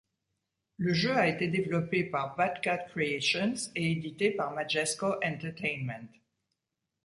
Le jeu a été développé par Budcat Creations et édité par Majesco Entertainment.